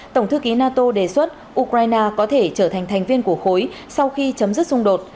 tổng thư ký nato đề xuất ukraine có thể trở thành thành viên của khối sau khi chấm dứt xung đột